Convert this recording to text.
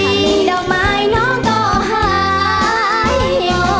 ดอกไม้น้องก็หาย